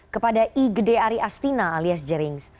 kepada i gede ari astina alias jerings